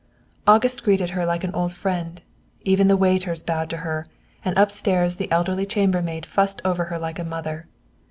August greeted her like an old friend. Even the waiters bowed to her, and upstairs the elderly chambermaid fussed over her like a mother.